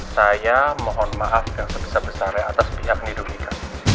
saya mohon maaf yang sebesar besarnya atas pihak ini dudikan